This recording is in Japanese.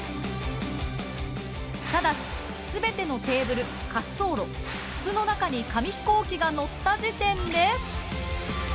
ただし全てのテーブル滑走路筒の中に紙ヒコーキがのった時点で。